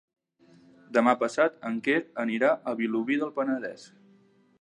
Demà passat en Quer anirà a Vilobí del Penedès.